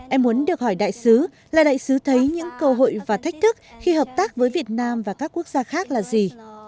em muốn được hỏi đại sứ là đại sứ thấy những cơ hội và thách thức khi hợp tác với việt nam và các quốc gia khác là gì